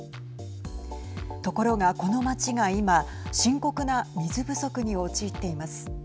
ところが、この街が今深刻な水不足に陥っています。